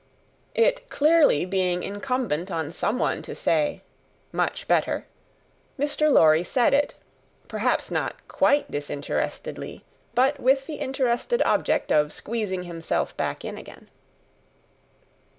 It clearly being incumbent on some one to say, "Much better," Mr. Lorry said it; perhaps not quite disinterestedly, but with the interested object of squeezing himself back again.